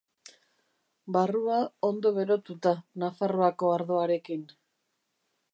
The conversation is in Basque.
Barrua ondo berotuta Nafarroako ardoarekin.